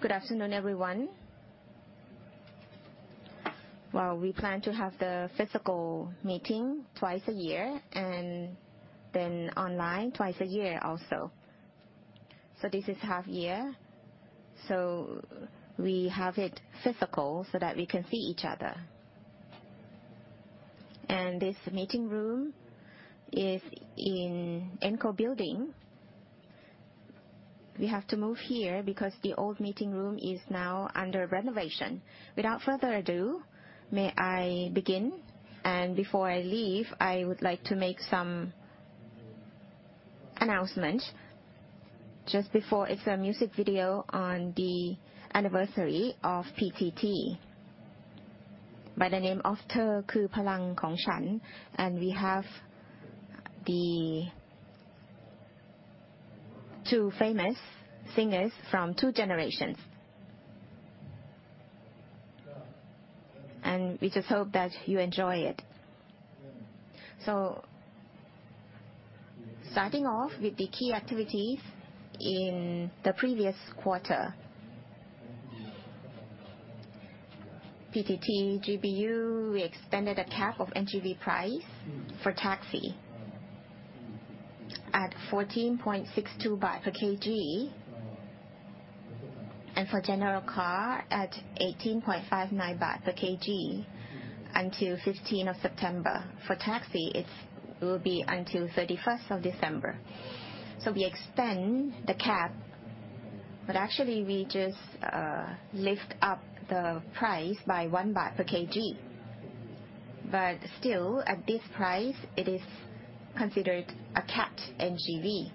Good afternoon, everyone. Well, we plan to have the physical meeting twice a year, then online twice a year also. This is half year, so we have it physical so that we can see each other. This meeting room is in EnCo building. We have to move here because the old meeting room is now under renovation. Without further ado, may I begin? Before I leave, I would like to make some announcement. Just before, it's a music video on the anniversary of PTT, by the name of we have the two famous singers from two generations. We just hope that you enjoy it. Starting off with the key activities in the previous quarter. PTT GBU extended a cap of NGV price for taxi at 14.62 baht per kg, and for general car at 18.59 baht per kg, until 15th of September. For taxi, it's will be until 31st of December. We extend the cap, but actually we just lift up the price by 1 baht per kg. Still, at this price, it is considered a capped NGV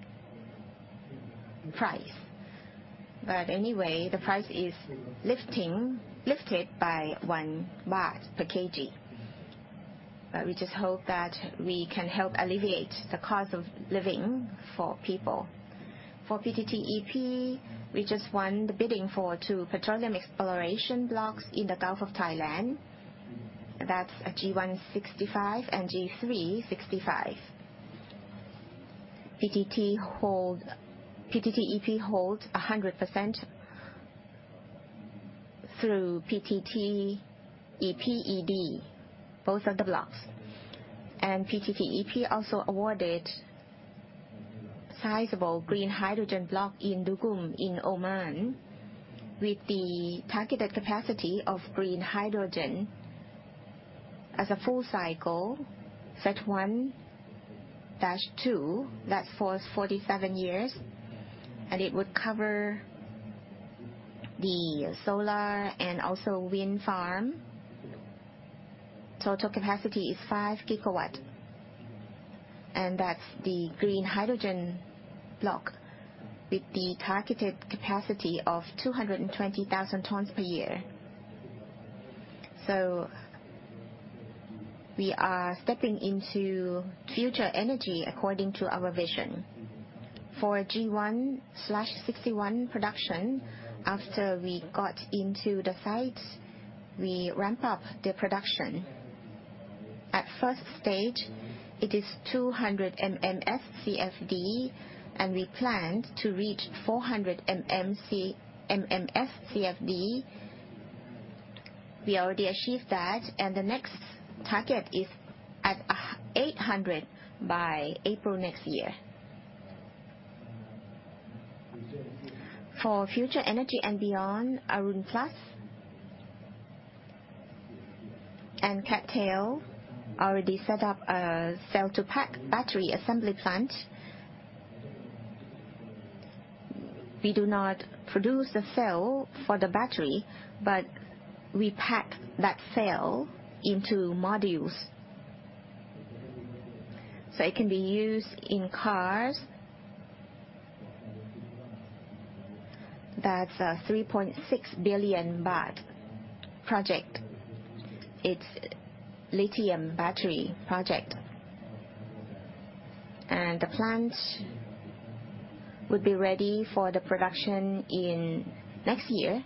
price. Anyway, the price is lifted by 1 baht per kg. We just hope that we can help alleviate the cost of living for people. For PTTEP, we just won the bidding for 2 petroleum exploration blocks in the Gulf of Thailand. That's a G 165 and G 365. PTTEP holds 100% through PTTEPED, both of the blocks. PTTEP also awarded sizable green hydrogen block in Duqm in Oman, with the targeted capacity of green hydrogen as a full cycle, phase 1-2, that's for 47 years, and it would cover the solar and also wind farm. Total capacity is 5 gigawatt, and that's the green hydr7ogen block with the targeted capacity of 220,000 tons per year. We are stepping into future energy according to our vision. For G1/61 production, after we got into the site, we ramp up the production. At first stage, it is 200 MMSCFD, and we plan to reach 400 MMSCFD. We already achieved that, and the next target is at 800 by April 2025. For future energy and beyond, Arun Plus and CATL already set up a Cell-to-Pack battery assembly plant. We do not produce the cell for the battery, but we pack that cell into modules, so it can be used in cars. That's a 3.6 billion baht project. It's lithium battery project. The plant would be ready for the production in next year,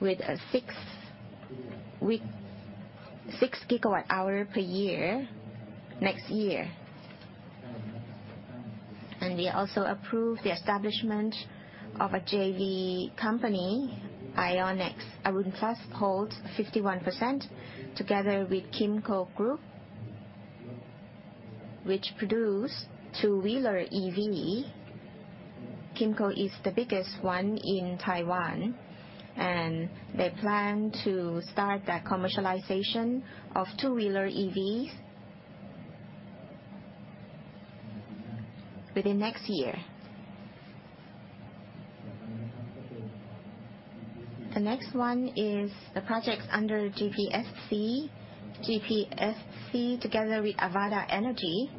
with a 6 gigawatt hour per year, next year. We also approved the establishment of a JV company, Aionex. Arun Plus holds 51%, together with Kymco Group, which produce two-wheeler EV. Kymco is the biggest one in Taiwan, and they plan to start their commercialization of two-wheeler EVs within next year. The next one is the projects under GPSC. GPSC, together with Avaada Energy.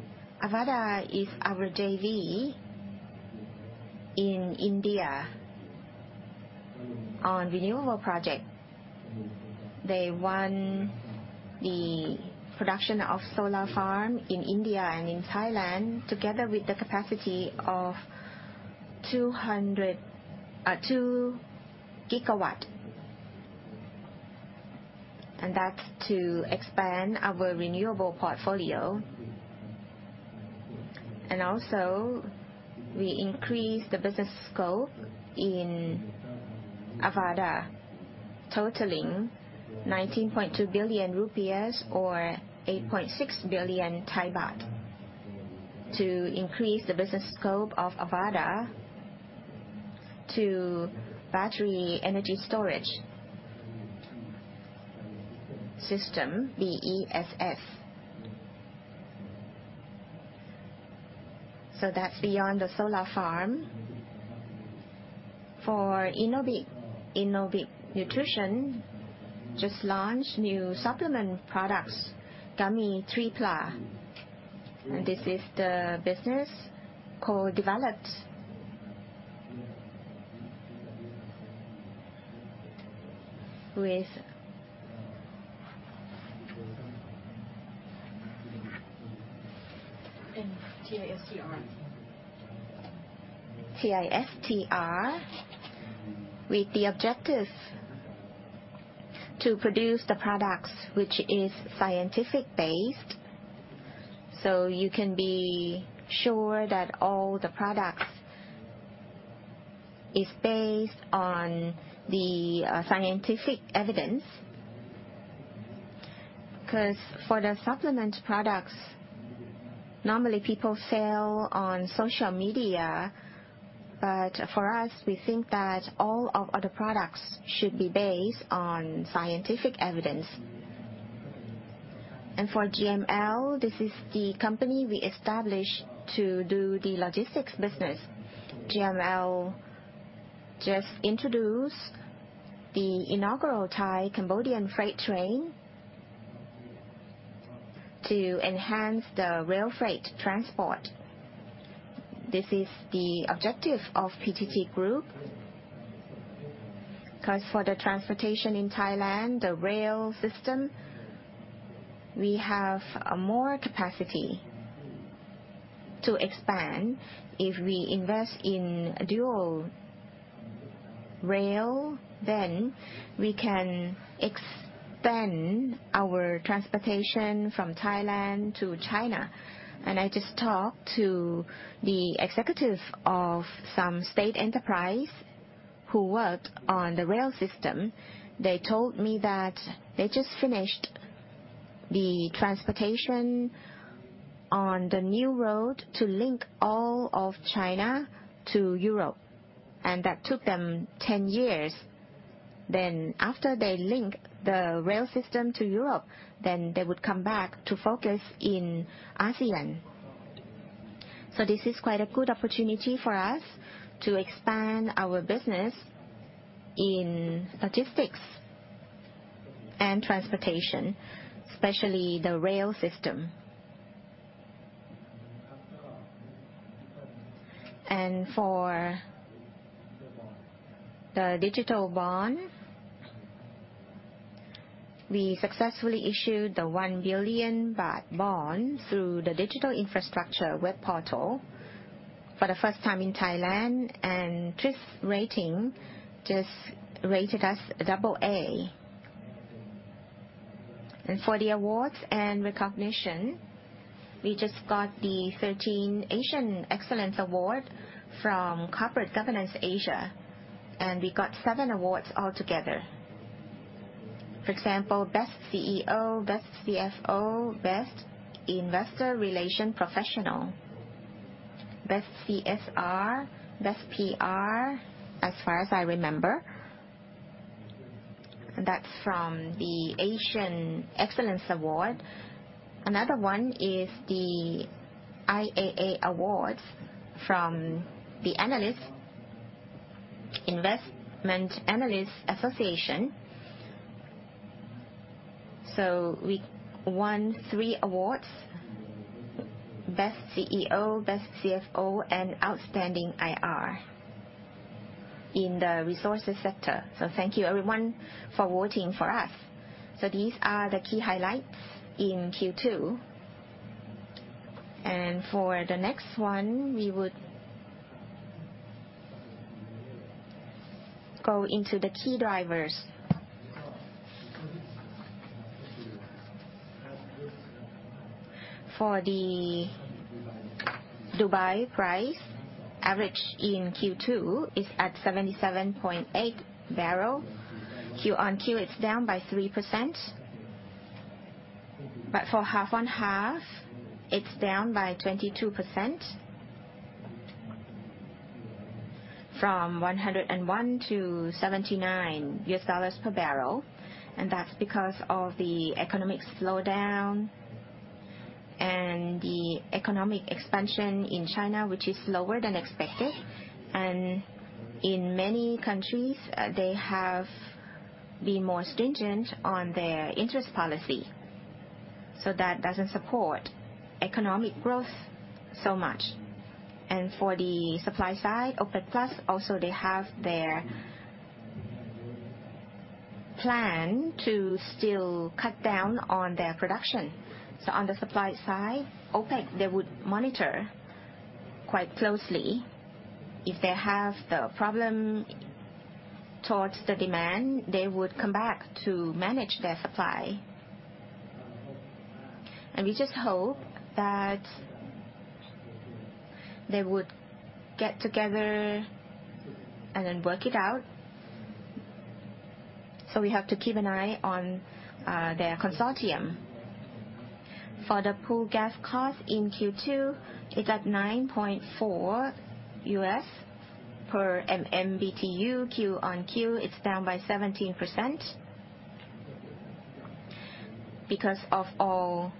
Avaada is our JV in India on renewable project. They won the production of solar farm in India and in Thailand, together with the capacity of 202 GW. That's to expand our renewable portfolio. Also, we increase the business scope in Avaada, totaling 19.2 billion rupees or 8.6 billion baht, to increase the business scope of Avaada to Battery Energy Storage System, BESS. That's beyond the solar farm. For Innobic, Innobic Nutrition just launched new supplement products, Gummy Triphala, and this is the business co-developed with? In TISTR. TISTR, with the objective to produce the products which is scientific based. You can be sure that all the products is based on the scientific evidence. For the supplement products, normally people sell on social media, for us, we think that all of the products should be based on scientific evidence. For GML, this is the company we established to do the logistics business. GML just introduced the inaugural Thai-Cambodian freight train to enhance the rail freight transport. This is the objective of PTT Group, because for the transportation in Thailand, the rail system, we have a more capacity to expand. If we invest in dual rail, then we can extend our transportation from Thailand to China. I just talked to the executive of some state enterprise who worked on the rail system. They told me that they just finished the transportation on the new road to link all of China to Europe, and that took them 10 years. After they link the rail system to Europe, then they would come back to focus in ASEAN. This is quite a good opportunity for us to expand our business in logistics and transportation, especially the rail system. For the digital bond, we successfully issued the 1 billion baht bond through the digital infrastructure web portal for the first time in Thailand, and TRIS Rating just rated us AA. For the awards and recognition, we just got the 13th Asian Excellence Award from Corporate Governance Asia, and we got 7 awards altogether. For example, Best CEO, Best CFO, Best Investor Relations Professional, Best CSR, Best PR, as far as I remember. That's from the Asian Excellence Award. Another one is the IAA awards from the Investment Analyst Association. We won 3 awards: Best CEO, Best CFO, and Outstanding IR in the resources sector. Thank you, everyone, for voting for us. These are the key highlights in Q2. For the next one, we would go into the key drivers. For the Dubai price, average in Q2 is at $77.8 per barrel. For half-on-half, it's down by 22% from $101 to $79 per barrel. That's because of the economic slowdown and the economic expansion in China, which is lower than expected. In many countries, they have been more stringent on their interest policy, that doesn't support economic growth so much. For the supply side, OPEC+, also they have their plan to still cut down on their production. On the supply side, OPEC, they would monitor quite closely. If they have the problem towards the demand, they would come back to manage their supply. We just hope that they would get together and then work it out. We have to keep an eye on their consortium. For the pool gas cost in Q2, it's at $9.4 per MMBTU. QoQ, it's down by 17%. Of all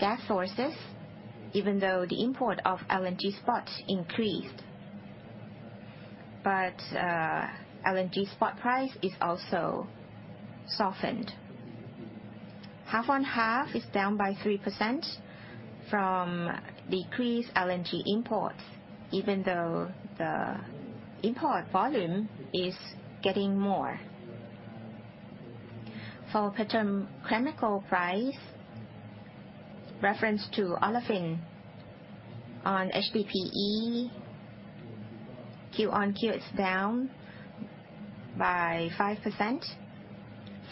gas sources, even though the import of LNG spots increased. LNG spot price is also softened. Half-on-half is down by 3% from decreased LNG imports, even though the import volume is getting more. For petrochemical price, reference to olefin on HDPE, QoQ, it's down by 5%.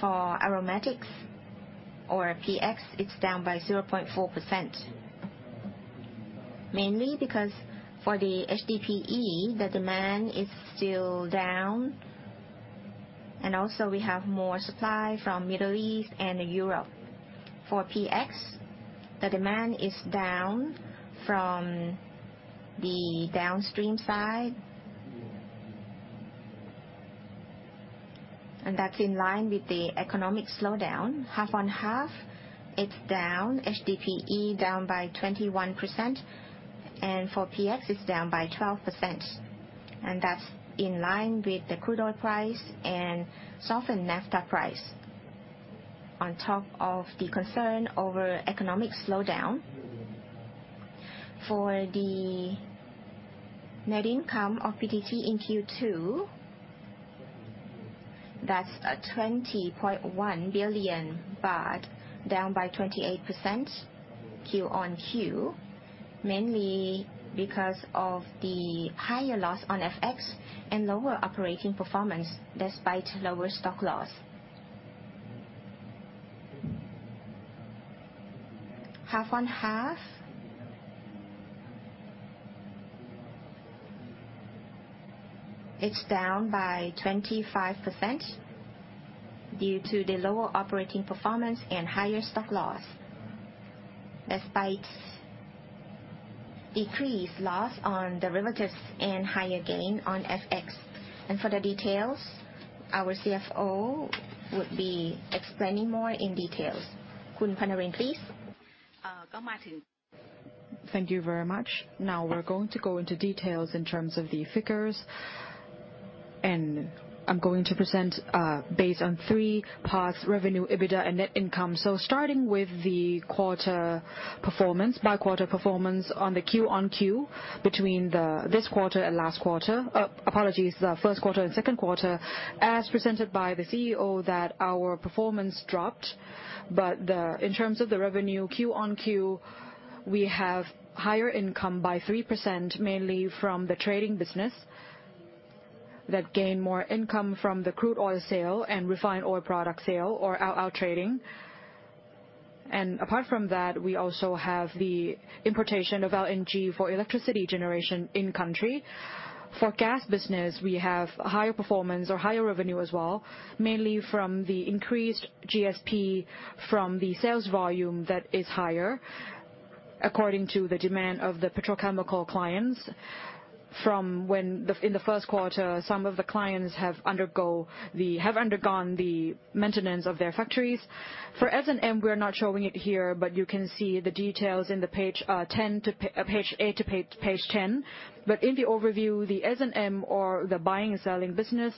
For aromatics or PX, it's down by 0.4%. Mainly because for the HDPE, the demand is still down, and also we have more supply from Middle East and Europe. For PX, the demand is down from the downstream side. That's in line with the economic slowdown. Half-on-half, it's down, HDPE down by 21%, for PX, it's down by 12%. That's in line with the crude oil price and softened naphtha price, on top of the concern over economic slowdown. For the net income of PTT in Q2, that's 20.1 billion baht, down by 28% QoQ, mainly because of the higher loss on FX and lower operating performance, despite lower stock loss. Half-on-half. It's down by 25% due to the lower operating performance and higher stock loss, despite decreased loss on derivatives and higher gain on FX. For the details, our CFO would be explaining more in details. Khun Phannalin, please. Thank you very much. We're going to go into details in terms of the figures, and I'm going to present, based on three parts: revenue, EBITDA, and net income. Starting with the quarter performance, by quarter performance on the QoQ between the this quarter and last quarter. Apologies, the first quarter and second quarter, as presented by the CEO, that our performance dropped. The, in terms of the revenue, QoQ, we have higher income by 3%, mainly from the trading business, that gain more income from the crude oil sale and refined oil product sale or out-out trading. Apart from that, we also have the importation of LNG for electricity generation in country. For gas business, we have higher performance or higher revenue as well, mainly from the increased GSP from the sales volume that is higher, according to the demand of the petrochemical clients from when, in the 1st quarter, some of the clients have undergone the maintenance of their factories. For S&M, we're not showing it here, but you can see the details in the page 10 to page 8 to page 10. In the overview, the S&M or the buying and selling business,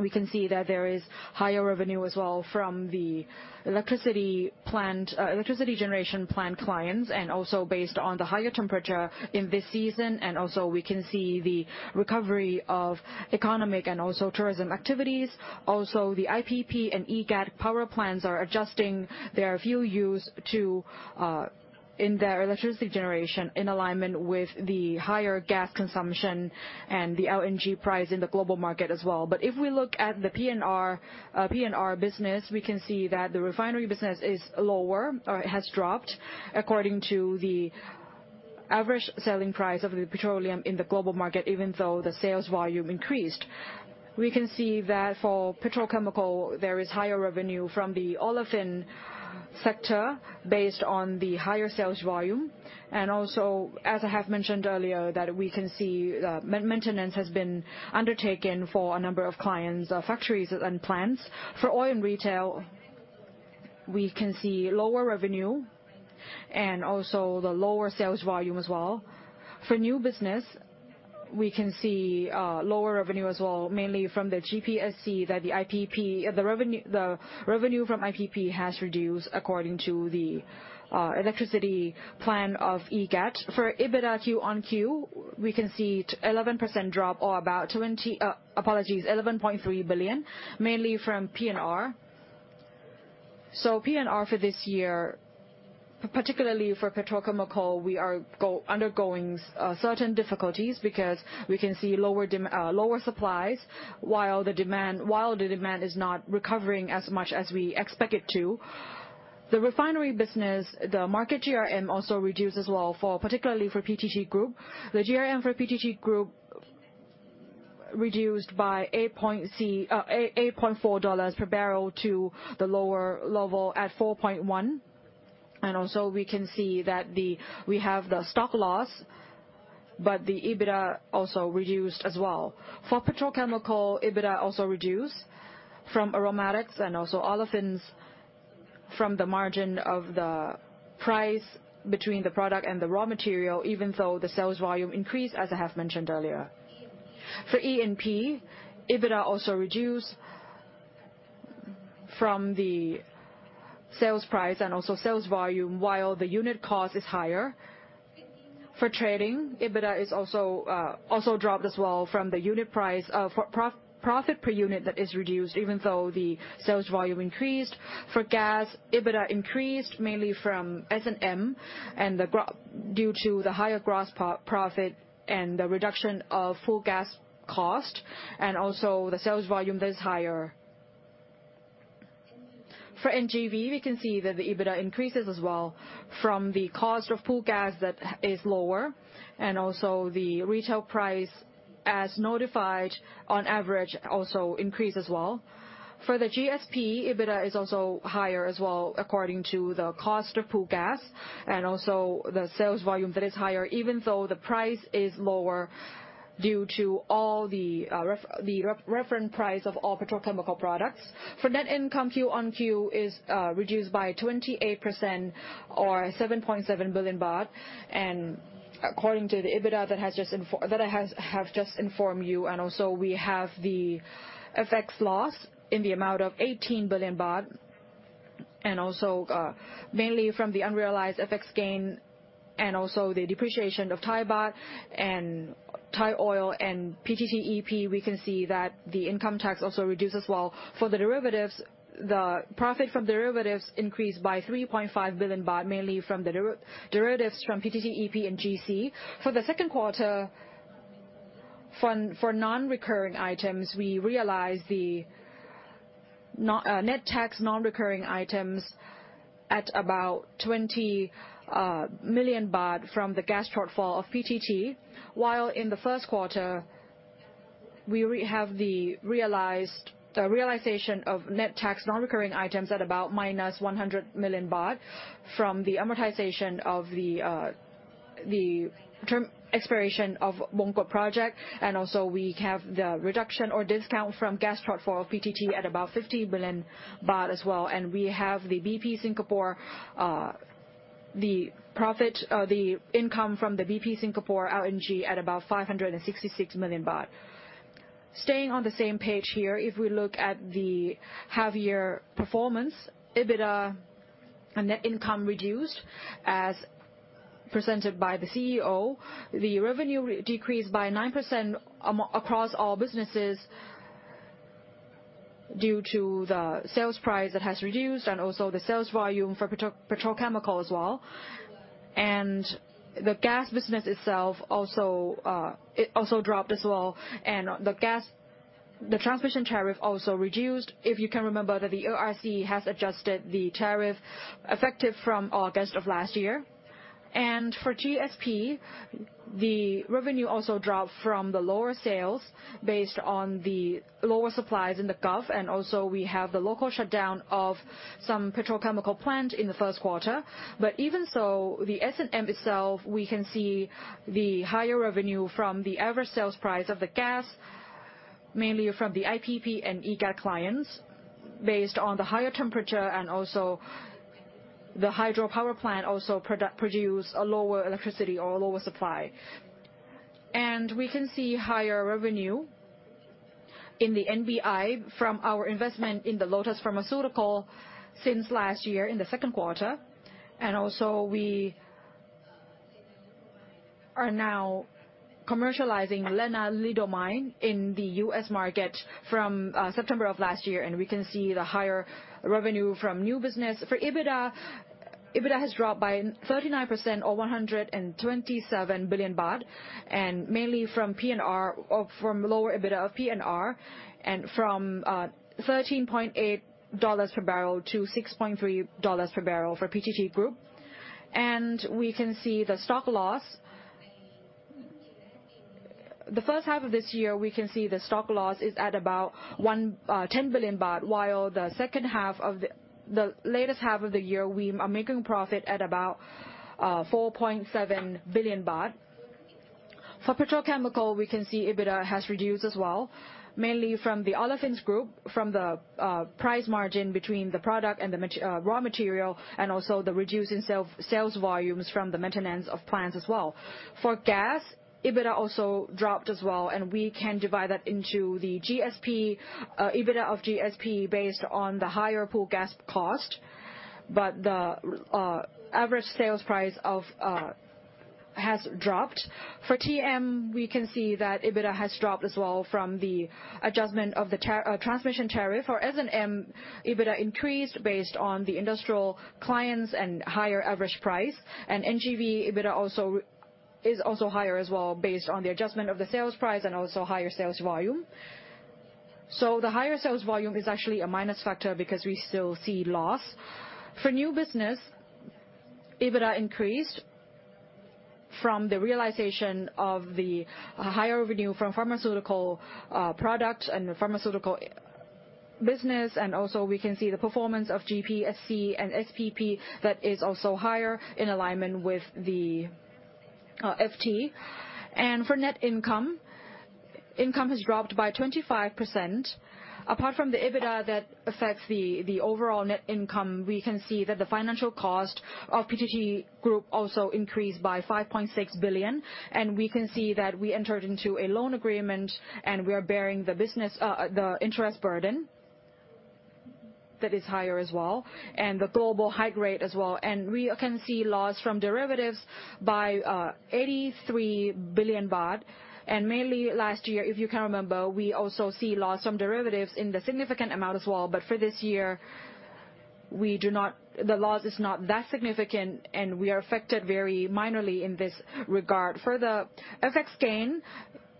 we can see that there is higher revenue as well from the electricity plant, electricity generation plant clients, and also based on the higher temperature in this season. Also, we can see the recovery of economic and also tourism activities. The IPP and EGAT power plants are adjusting their fuel use in their electricity generation, in alignment with the higher gas consumption and the LNG price in the global market as well. If we look at the PNR, PNR business, we can see that the refinery business is lower or it has dropped, according to the average selling price of the petroleum in the global market, even though the sales volume increased. We can see that for petrochemical, there is higher revenue from the olefin sector based on the higher sales volume. As I have mentioned earlier, that we can see maintenance has been undertaken for a number of clients, factories and plants. For oil and retail, we can see lower revenue and also the lower sales volume as well. For new business, we can see lower revenue as well, mainly from the GPSC that the IPP. The revenue, the revenue from IPP has reduced according to the electricity plan of EGAT. For EBITDA QoQ, we can see 11% drop or about $11.3 billion, mainly from PNR. PNR for this year, particularly for petrochemical, we are undergoing certain difficulties because we can see lower supplies, while the demand, while the demand is not recovering as much as we expect it to. The refinery business, the market GRM also reduced as well for, particularly for PTT Group. The GRM for PTT Group reduced by $8.4 per barrel to the lower level at $4.1. Also we can see that the, we have the stock loss, but the EBITDA also reduced as well. For petrochemical, EBITDA also reduced from aromatics and also olefins, from the margin of the price between the product and the raw material, even though the sales volume increased, as I have mentioned earlier. For E&P, EBITDA also reduced from the sales price and also sales volume, while the unit cost is higher. For trading, EBITDA is also also dropped as well from the unit price of profit per unit that is reduced, even though the sales volume increased. For gas, EBITDA increased mainly from S&M and the due to the higher gross profit and the reduction of full gas cost, and also the sales volume is higher. For NGV, we can see that the EBITDA increases as well from the cost of Pool Gas that is lower, and also the retail price, as notified on average, also increased as well. For the GSP, EBITDA is also higher as well, according to the cost of Pool Gas, and also the sales volume that is higher, even though the price is lower due to all the referent price of all petrochemical products. For net income, QoQ is reduced by 28% or 7.7 billion baht. According to the EBITDA that I have just informed you, we have the FX loss in the amount of 18 billion baht, and also, mainly from the unrealized FX gain, and also the depreciation of Thai baht and Thaioil and PTTEP, we can see that the income tax also reduces as well. For the derivatives, the profit from derivatives increased by 3.5 billion baht, mainly from the derivatives from PTTEP and GC. For the second quarter, for non-recurring items, we realized the net tax non-recurring items at about 20 million baht from the gas shortfall of PTT, while in the first quarter, we have the realization of net tax non-recurring items at about -100 million baht from the amortization of the term expiration of Bongkot project. We have the reduction or discount from gas shortfall of PTT at about 50 billion baht as well. We have the BP Singapore, the profit, the income from the BP Singapore LNG at about 566 million baht. Staying on the same page here, if we look at the half year performance, EBITDA and net income reduced, as presented by the CEO. The revenue decreased by 9% across all businesses due to the sales price that has reduced and also the sales volume for petrochemical as well. The gas business itself also, it also dropped as well. The gas, the transmission tariff also reduced. If you can remember that the ERC has adjusted the tariff effective from August of last year. For GSP, the revenue also dropped from the lower sales based on the lower supplies in the Gulf, and also we have the local shutdown of some petrochemical plant in the first quarter. Even so, the S&M itself, we can see the higher revenue from the average sales price of the gas, mainly from the IPP and EGAT clients, based on the higher temperature and also the hydropower plant also produce a lower electricity or a lower supply. We can see higher revenue in the NBI from our investment in the Lotus Pharmaceutical since last year, in the second quarter. Also, we are now commercializing lenalidomide in the U.S. market from September of last year, and we can see the higher revenue from new business. For EBITDA, EBITDA has dropped by 39% or 127 billion baht, mainly from PNR or from lower EBITDA of PNR, and from $13.8 per barrel to $6.3 per barrel for PTT Group. We can see the stock loss. The first half of this year, we can see the stock loss is at about 10 billion baht, while the latest half of the year, we are making profit at about 4.7 billion baht. For petrochemical, we can see EBITDA has reduced as well, mainly from the olefins group, from the price margin between the product and the raw material, and also the sales volumes from the maintenance of plants as well. For gas, EBITDA also dropped as well, and we can divide that into the GSP EBITDA of GSP based on the higher Pool Gas cost. The average sales price of has dropped. For TM, we can see that EBITDA has dropped as well from the adjustment of the transmission tariff. For S&M, EBITDA increased based on the industrial clients and higher average price, and NGV EBITDA is also higher as well, based on the adjustment of the sales price and also higher sales volume. The higher sales volume is actually a minus factor because we still see loss. For new business, EBITDA increased from the realization of the higher revenue from pharmaceutical products and the pharmaceutical business. Also we can see the performance of GPSC and SPP that is also higher in alignment with the FT. For net income, income has dropped by 25%. Apart from the EBITDA that affects the overall net income, we can see that the financial cost of PTT Group also increased by 5.6 billion. We can see that we entered into a loan agreement, and we are bearing the business, the interest burden, that is higher as well, and the global high rate as well. We can see loss from derivatives by 83 billion baht. Mainly last year, if you can remember, we also see loss from derivatives in the significant amount as well. For this year, the loss is not that significant, and we are affected very minorly in this regard. For the FX gain,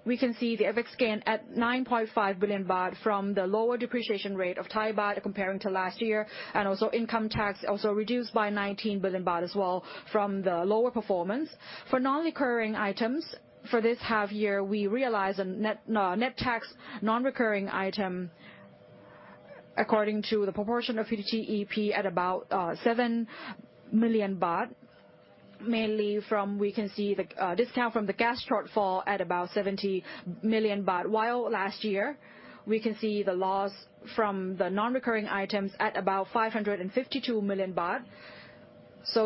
we can see the FX gain at 9.5 billion baht from the lower depreciation rate of Thai baht comparing to last year. Income tax also reduced by 19 billion baht as well from the lower performance. For non-recurring items, for this half year, we realized a net net tax non-recurring item, according to the proportion of PTTEP, at about 7 million baht, mainly from We can see the discount from the gas shortfall at about 70 million baht, while last year, we can see the loss from the non-recurring items at about 552 million baht.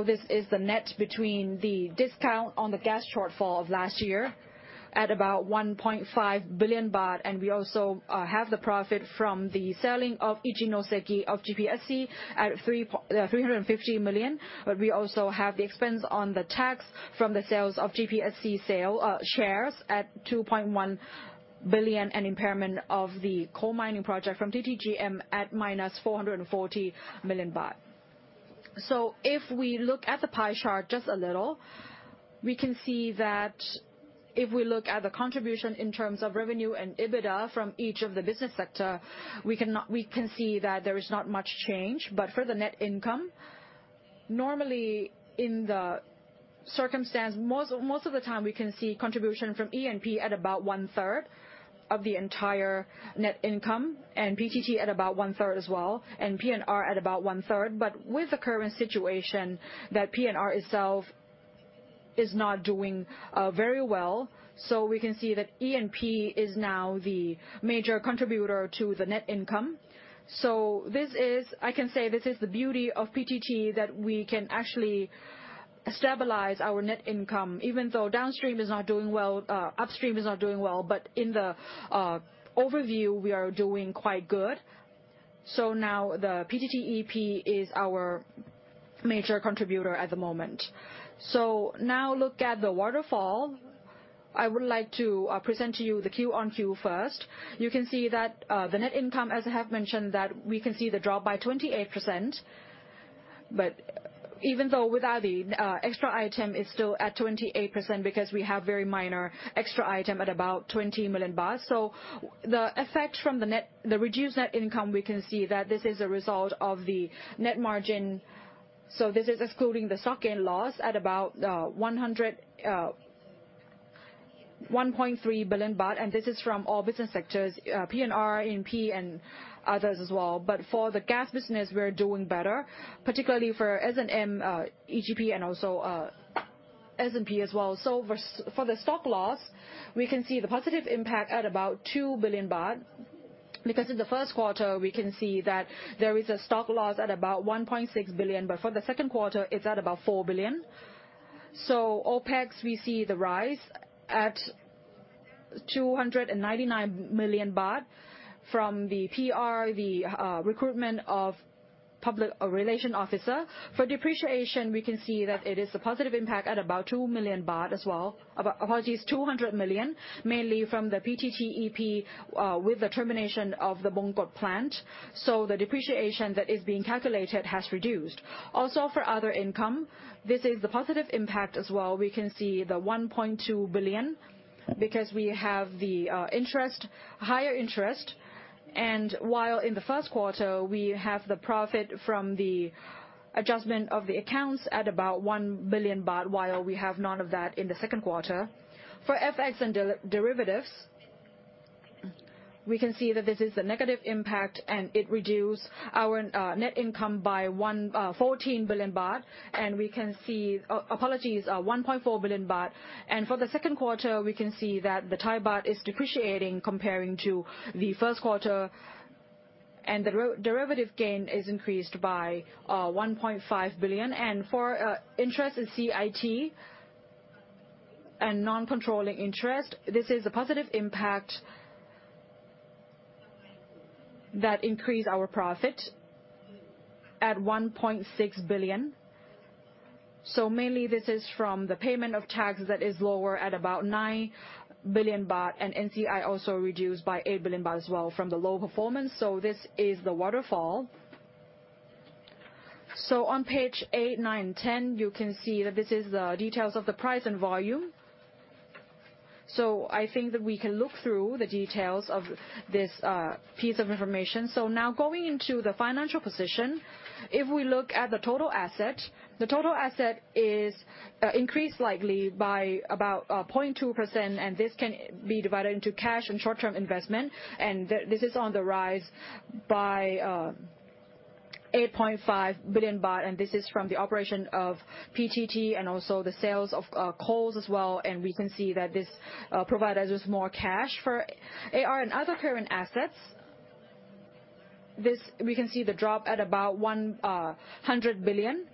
This is the net between the discount on the gas shortfall of last year at about 1.5 billion baht, and we also have the profit from the selling of Ichinoseki of GPSC at 350 million. We also have the expense on the tax from the sales of GPSC sale shares at 2.1 billion, and impairment of the coal mining project from PTTGM at -440 million baht. If we look at the pie chart just a little, we can see that if we look at the contribution in terms of revenue and EBITDA from each of the business sector, we can see that there is not much change. For the net income, normally in the circumstance, most of the time, we can see contribution from E&P at about one third of the entire net income, and PTT at about one third as well, and PNR at about one third. With the current situation, that PNR itself is not doing very well, we can see that E&P is now the major contributor to the net income. This is. I can say this is the beauty of PTT, that we can actually stabilize our net income. Even though downstream is not doing well, upstream is not doing well, but in the overview, we are doing quite good. Now the PTT EP is our major contributor at the moment. Now look at the waterfall. I would like to present to you the QoQ first. You can see that the net income, as I have mentioned, that we can see the drop by 28%. Even though without the extra item, it's still at 28%, because we have very minor extra item at about 20 million baht. The effect from the net-- the reduced net income, we can see that this is a result of the net margin, so this is excluding the stock gain loss at about 1.3 billion baht, and this is from all business sectors, P&R, E&P, and others as well. For the gas business, we're doing better, particularly for S&M, NGV, and also GSP as well. For the stock loss, we can see the positive impact at about 2 billion baht, because in the first quarter, we can see that there is a stock loss at about 1.6 billion baht, but for the second quarter, it's at about 4 billion baht. OpEx, we see the rise at 299 million baht from the PR, the recruitment of public relation officer. For depreciation, we can see that it is a positive impact at about 2 million baht as well. Apologies, 200 million baht, mainly from the PTT EP, with the termination of the Bongkot plant. The depreciation that is being calculated has reduced. For other income, this is a positive impact as well. We can see the 1.2 billion baht, because we have the interest, higher interest. While in the first quarter, we have the profit from the adjustment of the accounts at about 1 billion baht, while we have none of that in the second quarter. FX and derivatives, we can see that this is a negative impact, and it reduced our net income by 1.4 billion baht. For the second quarter, we can see that the Thai baht is depreciating comparing to the first quarter, and the derivative gain is increased by 1.5 billion. For interest in CIT and non-controlling interest, this is a positive impact, that increase our profit at 1.6 billion. Mainly this is from the payment of taxes that is lower at about 9 billion baht, and NCI also reduced by 8 billion baht as well from the low performance. This is the waterfall. On page 8, 9, and 10, you can see that this is the details of the price and volume. I think that we can look through the details of this piece of information. Now going into the financial position, if we look at the total asset, the total asset is increased slightly by about 0.2%, and this can be divided into cash and short-term investment. This is on the rise by 8.5 billion baht, and this is from the operation of PTT and also the sales of coals as well, and we can see that this provide us with more cash. For AR and other current assets, this, we can see the drop at about 100 billion,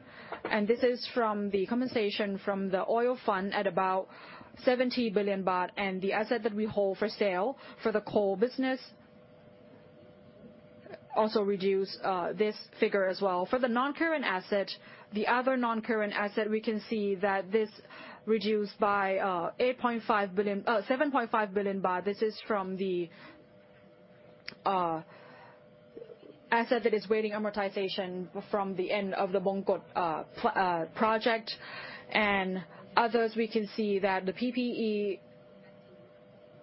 and this is from the compensation from the Oil Fund at about 70 billion baht. The asset that we hold for sale for the coal business also reduce this figure as well. For the non-current asset, the other non-current asset, we can see that this reduced by 8.5 billion... 7.5 billion baht. This is from the asset that is waiting amortization from the end of the Bongkot pl- project. Others, we can see that the PPE,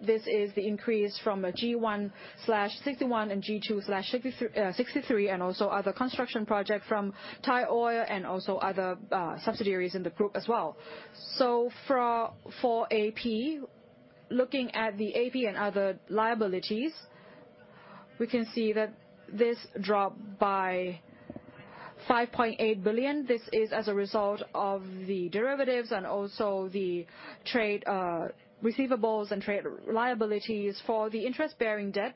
this is the increase from a G1/61 and G2/63, and also other construction project from Thaioil, and also other subsidiaries in the group as well. For AP, looking at the AP and other liabilities, we can see that this dropped by 5.8 billion. This is as a result of the derivatives and also the trade receivables and trade liabilities. For the interest-bearing debt,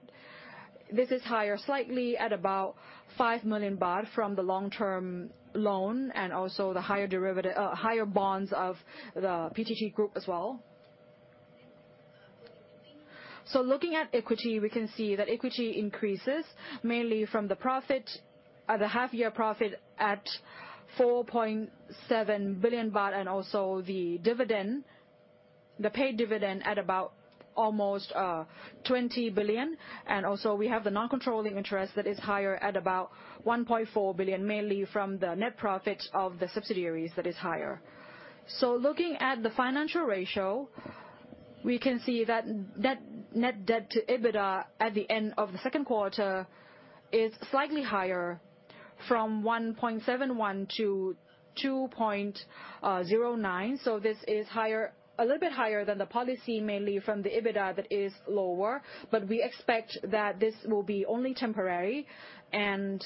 this is higher slightly at about 5 million baht from the long-term loan, and also the higher derivative, higher bonds of the PTT group as well. Looking at equity, we can see that equity increases mainly from the profit, the half-year profit at 4.7 billion baht, and also the dividend, the paid dividend at about almost 20 billion. Also, we have the non-controlling interest that is higher at about 1.4 billion, mainly from the net profit of the subsidiaries that is higher. Looking at the financial ratio, we can see that net debt to EBITDA at the end of the second quarter is slightly higher from 1.71 to 2.09. This is higher, a little bit higher than the policy, mainly from the EBITDA that is lower, but we expect that this will be only temporary. If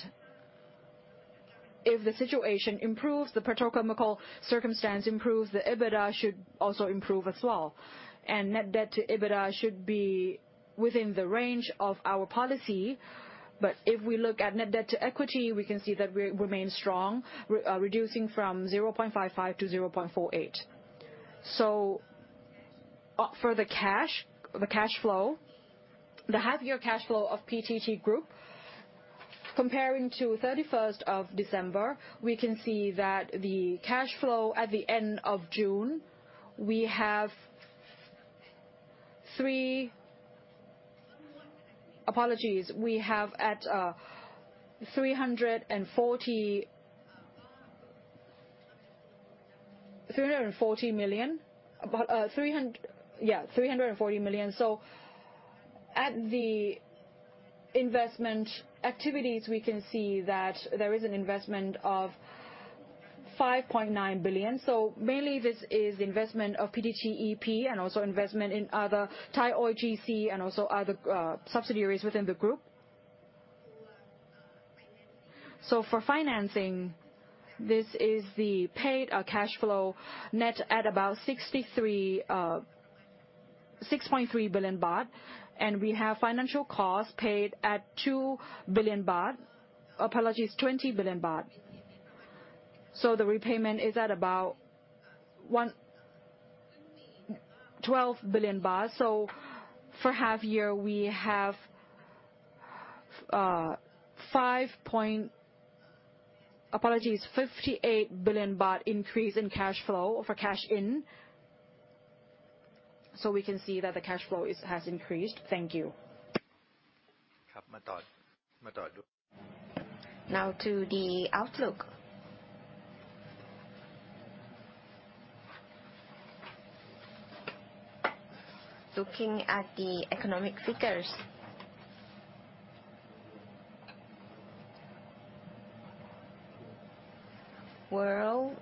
the situation improves, the petrochemical circumstance improves, the EBITDA should also improve as well, and Net Debt to EBITDA should be within the range of our policy. If we look at Net Debt to Equity, we can see that we remain strong, reducing from 0.55 to 0.48. For the cash, the cash flow, the half-year cash flow of PTT Group, comparing to 31st of December, we can see that the cash flow at the end of June, Apologies, we have at 340 million. At the investment activities, we can see that there is an investment of 5.9 billion. Mainly this is the investment of PTTEP, and also investment in other Thai Oil GC, and also other subsidiaries within the group. For financing, this is the paid cash flow net at about 6.3 billion baht, and we have financial costs paid at 2 billion baht. Apologies, 20 billion baht. The repayment is at about 12 billion baht. For half year, we have Apologies, 58 billion baht increase in cash flow for cash in, we can see that the cash flow has increased. Thank you. Now to the outlook. Looking at the economic figures, world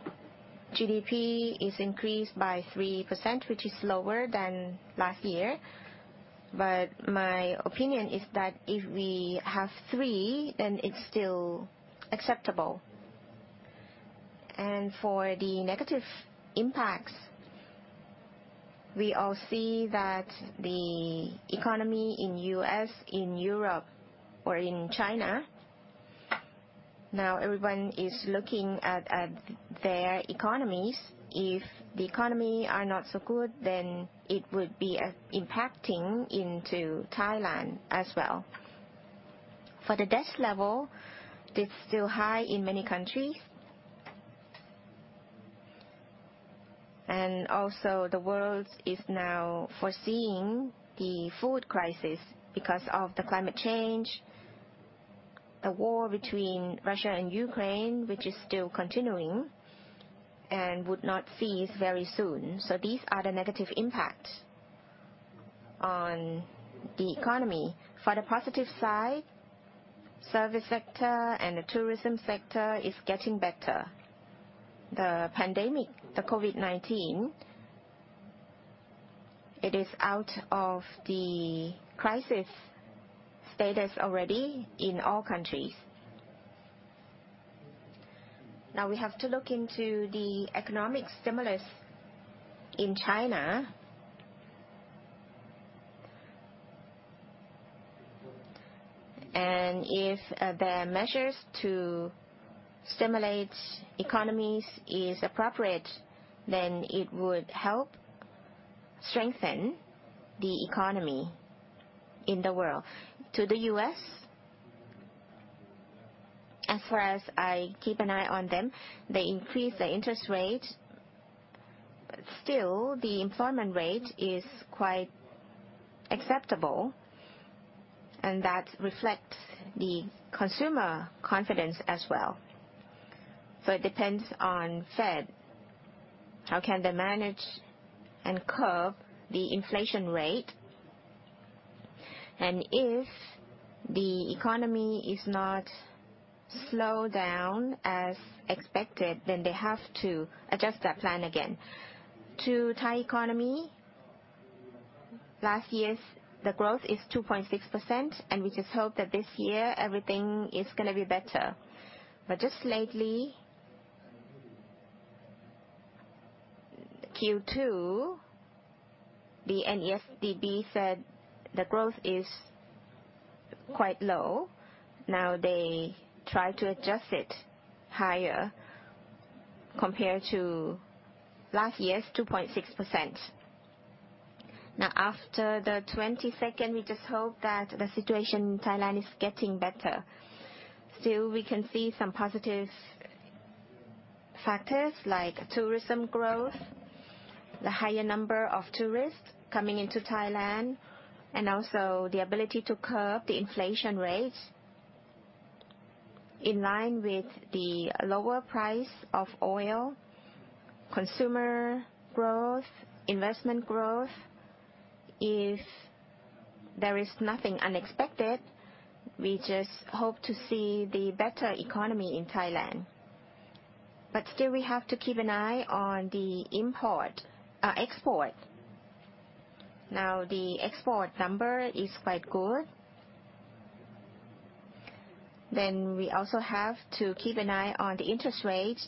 GDP is increased by 3%, which is lower than last year. My opinion is that if we have 3, then it's still acceptable. For the negative impacts, we all see that the economy in U.S., in Europe or in China. ...Now everyone is looking at, at their economies. If the economy are not so good, then it would be impacting into Thailand as well. For the debt level, it's still high in many countries. Also, the world is now foreseeing the food crisis because of the climate change, the war between Russia and Ukraine, which is still continuing and would not cease very soon. These are the negative impacts on the economy. For the positive side, service sector and the tourism sector is getting better. The pandemic, the COVID-19, it is out of the crisis status already in all countries. Now we have to look into the economic stimulus in China. If their measures to stimulate economies is appropriate, then it would help strengthen the economy in the world. To the U.S., as far as I keep an eye on them, they increase the interest rate, but still the employment rate is quite acceptable, and that reflects the consumer confidence as well. It depends on Fed, how can they manage and curb the inflation rate? If the economy is not slowed down as expected, then they have to adjust that plan again. To Thai economy, last year's, the growth is 2.6%, and we just hope that this year everything is gonna be better. Just lately, Q2, the NESDB said the growth is quite low. They try to adjust it higher compared to last year's 2.6%. After the 22nd, we just hope that the situation in Thailand is getting better. Still, we can see some positive factors like tourism growth, the higher number of tourists coming into Thailand, and also the ability to curb the inflation rate in line with the lower price of oil, consumer growth, investment growth. If there is nothing unexpected, we just hope to see the better economy in Thailand. Still, we have to keep an eye on the import, export. Now, the export number is quite good. We also have to keep an eye on the interest rate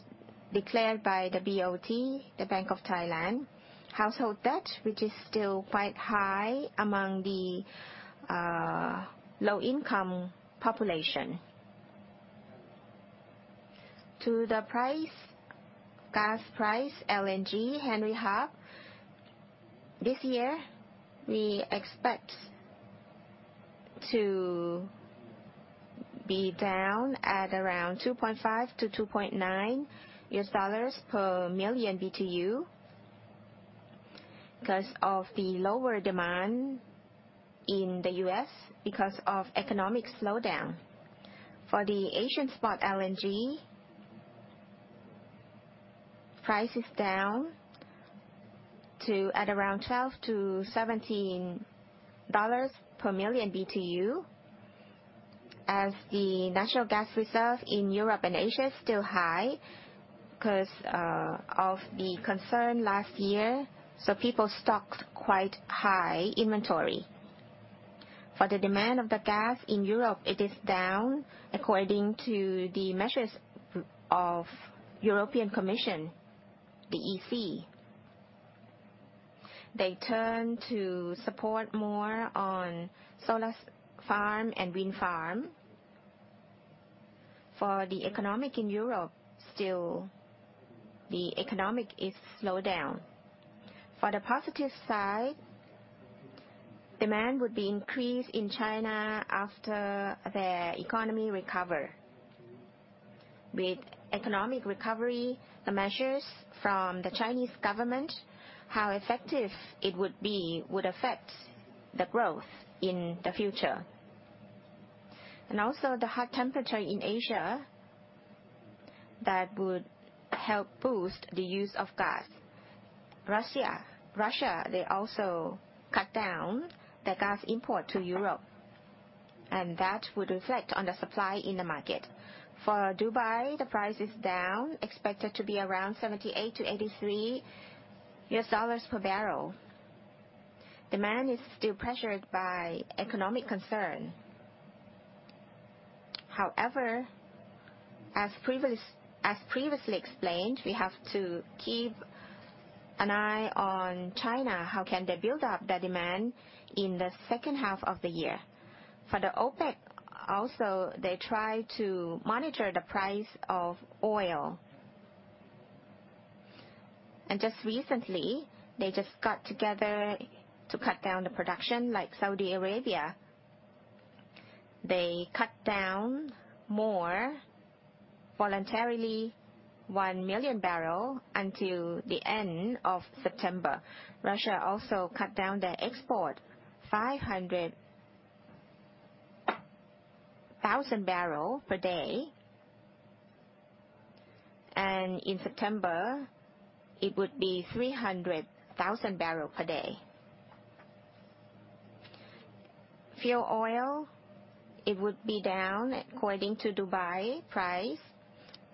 declared by the BOT, the Bank of Thailand. Household debt, which is still quite high among the low-income population. To the price, gas price, LNG, Henry Hub, this year, we expect to be down at around $2.5-$2.9 per million BTU because of the lower demand in the US because of economic slowdown. For the Asian spot, LNG, price is down to at around $12-$17 per million BTU, as the natural gas reserve in Europe and Asia is still high because of the concern last year, so people stocked quite high inventory. For the demand of the gas in Europe, it is down according to the measures of European Commission, the EC. They turn to support more on solar farm and wind farm. For the economic in Europe, still the economic is slowed down. For the positive side, demand would be increased in China after their economy recover. With economic recovery, the measures from the Chinese government, how effective it would be, would affect the growth in the future. Also the high temperature in Asia, that would help boost the use of gas. Russia. Russia, they also cut down the gas import to Europe, that would reflect on the supply in the market. For Dubai, the price is down, expected to be around $78-$83 per barrel. Demand is still pressured by economic concern. However, as previously explained, we have to keep an eye on China, how can they build up the demand in the second half of the year? For the OPEC, also, they try to monitor the price of oil. Just recently, they just got together to cut down the production, like Saudi Arabia. They cut down more voluntarily 1 million barrel until the end of September. Russia also cut down their export, 500,000 barrel per day. In September, it would be 300,000 barrel per day. Fuel oil, it would be down according to Dubai price,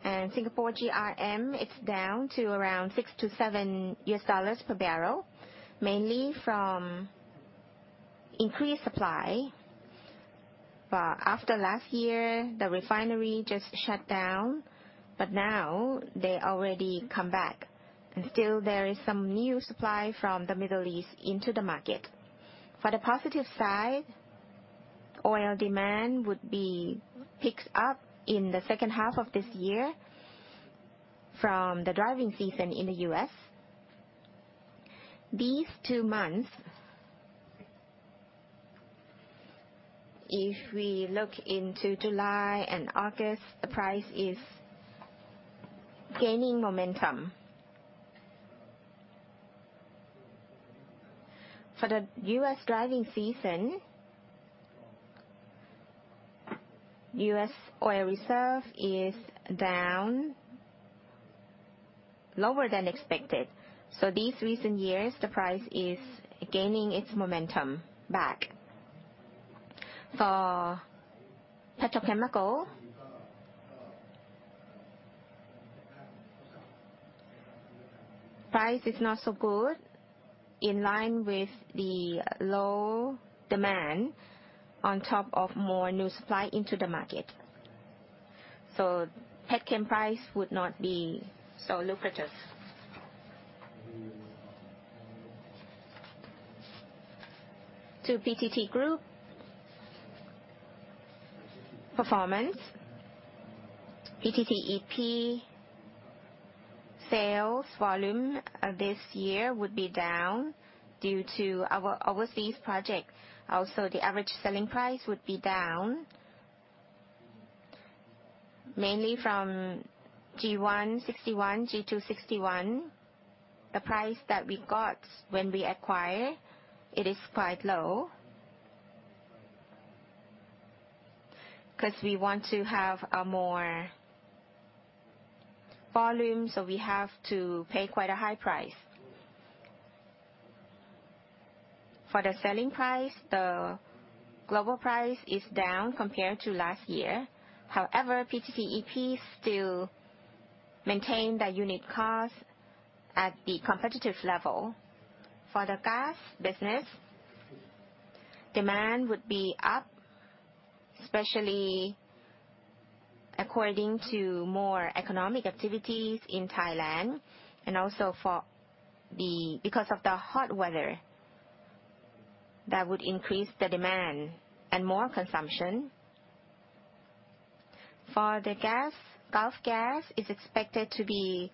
and Singapore GRM, it's down to around $6-$7 per barrel, mainly from increased supply. After last year, the refinery just shut down, but now they already come back, and still there is some new supply from the Middle East into the market. For the positive side, oil demand would be picked up in the second half of this year from the driving season in the US. These 2 months, if we look into July and August, the price is gaining momentum. For the US driving season, US oil reserve is down, lower than expected. These recent years, the price is gaining its momentum back. For petrochemical, price is not so good, in line with the low demand on top of more new supply into the market. Petchem price would not be so lucrative. The average selling price would be down, mainly from G1/61, G2/61. The price that we got when we acquire, it is quite low. Because we want to have a more volume, so we have to pay quite a high price. For the selling price, the global price is down compared to last year. However, PTT EP still maintain the unit cost at the competitive level. For the gas business, demand would be up, especially according to more economic activities in Thailand, and also because of the hot weather, that would increase the demand and more consumption. For the gas, Gulf gas is expected to be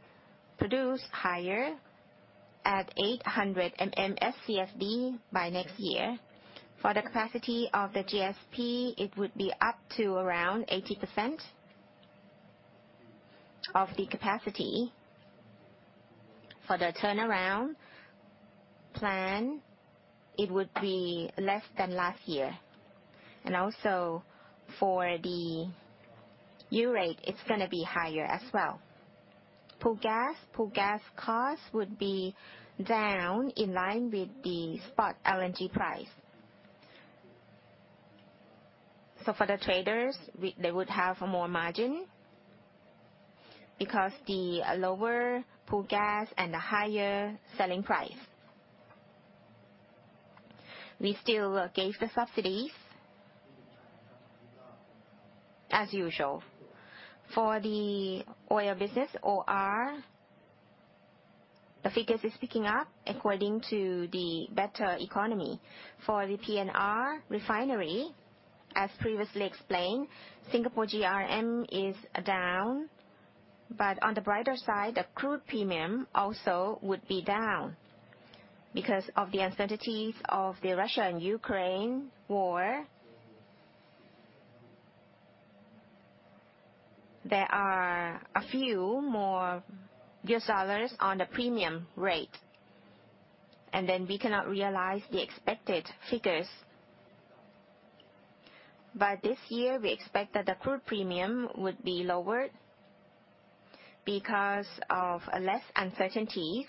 produced higher at 800 MMSCFD by next year. For the capacity of the GSP, it would be up to around 80% of the capacity. For the turnaround plan, it would be less than last year, and also for the U-Rate, it's gonna be higher as well. Pool Gas, Pool Gas costs would be down in line with the spot LNG price. For the traders, they would have more margin because the lower Pool Gas and the higher selling price. We still gave the subsidies as usual. For the oil business, OR, the figures is picking up according to the better economy. For the PNR refinery, as previously explained, Singapore GRM is down. On the brighter side, the crude premium also would be down. Because of the uncertainties of the Russia and Ukraine war, there are a few more US dollars on the premium rate, we cannot realize the expected figures. This year, we expect that the crude premium would be lower because of less uncertainties.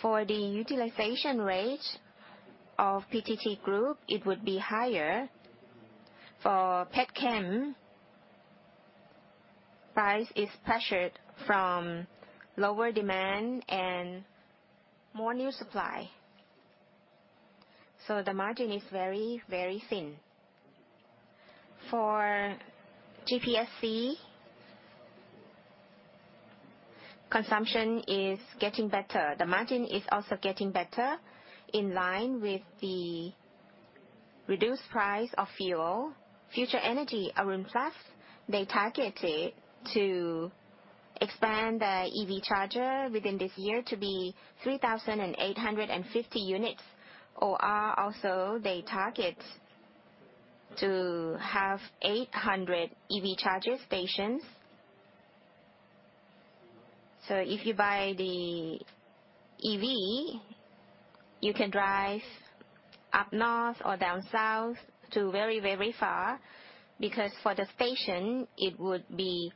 For the utilization rate of PTT Group, it would be higher. For petchem, price is pressured from lower demand and more new supply. The margin is very, very thin. For GPSC, consumption is getting better. The margin is also getting better, in line with the reduced price of fuel. Future Energy Arun Plus, they targeted to expand the EV charger within this year to be 3,850 units. OR also, they target to have 800 EV charger stations. If you buy the EV, you can drive up north or down south to very, very far, because for the station, it would be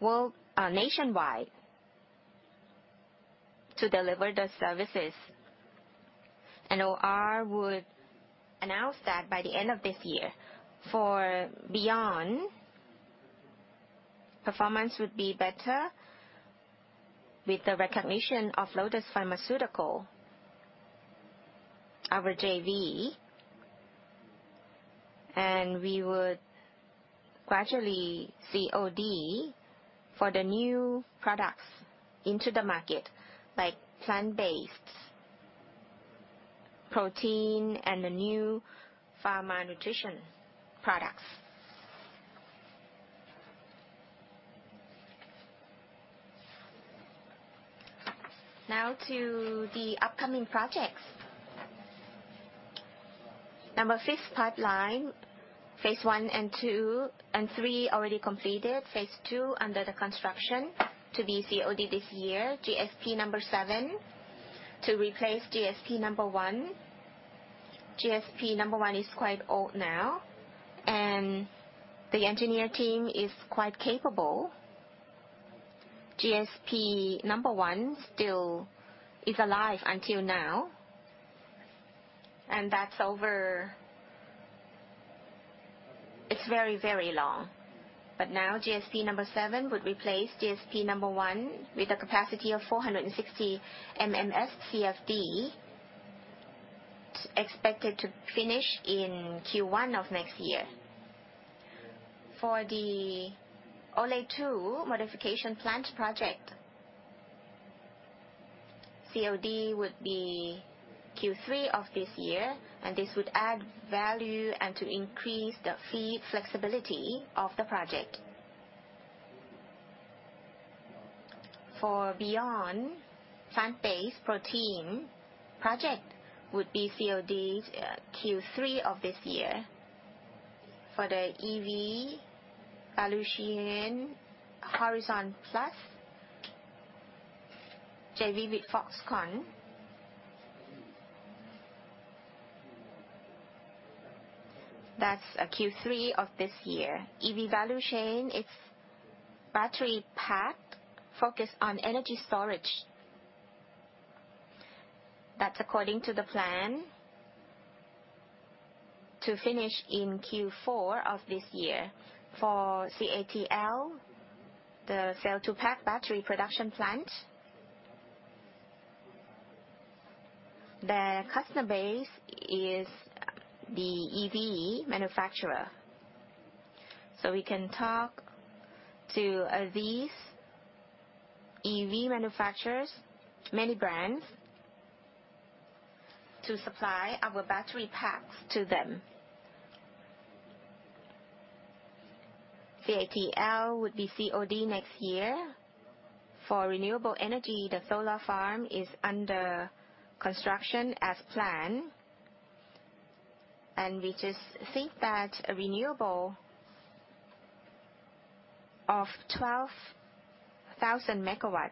world nationwide to deliver the services. OR would announce that by the end of this year. For Beyond, performance would be better with the recognition of Lotus Pharmaceutical, our JV. We would gradually COD for the new products into the market, like plant-based protein and the new pharma nutrition products. Now to the upcoming projects. Number five pipeline, phase one and two and three already completed. Phase two under the construction to be COD this year. GSP number seven, to replace GSP number one. GSP number one is quite old now. The engineer team is quite capable. GSP number one still is alive until now, and that's over. It's very, very long. Now, GSP number seven would replace GSP number one with a capacity of 460 MMSCFD. It's expected to finish in Q1 of next year. For the Olefins 2 modification plant project, COD would be Q3 of this year, and this would add value and to increase the feed flexibility of the project. For Beyond plant-based protein project would be COD, Q3 of this year. For the EV value chain Horizon Plus, JV with Foxconn, that's Q3 of this year. EV value chain, it's battery pack focused on energy storage. That's according to the plan to finish in Q4 of this year. For CATL, the Cell-to-Pack battery production plant, the customer base is the EV manufacturer. So we can talk to these EV manufacturers, many brands, to supply our battery packs to them. CATL would be COD next year. For renewable energy, the solar farm is under construction as planned. We just think that a renewable of 12,000 megawatts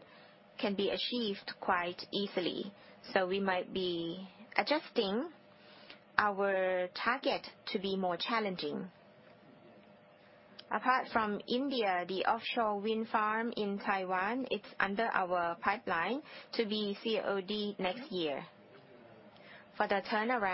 can be achieved quite easily, so we might be adjusting our target to be more challenging. Apart from India, the offshore wind farm in Taiwan, it's under our pipeline to be COD next year. For the turnaround-